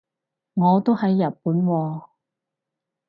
我都喺日本喎